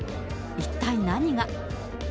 一体何が？